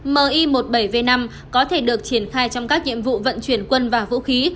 mi một mươi bảy v năm có thể được triển khai trong các nhiệm vụ vận chuyển quân và vũ khí